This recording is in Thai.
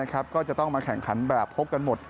ก็จะต้องมาแข่งขันแบบพบกันหมด